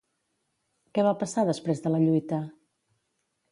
Què va passar després de la lluita?